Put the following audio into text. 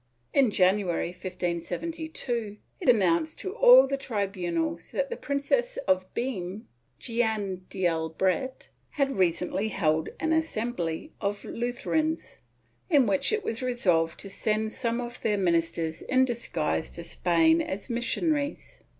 * In January, 1572, it announced to all the tribunals that the Princess of Beam (Jeanne d'Albret) had recently held an assembly of Lutherans, in which it was resolved to send some of their ministers in disguise to Spain as missionaries.